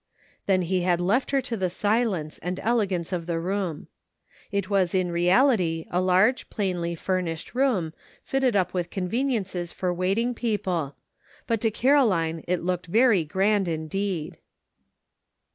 Then he had left her to the silence and ele gance of the room. It was in reality a large plainly furnished room, fitted up with conven iences for waiting people ; but to Caroline it looked very grand indeed.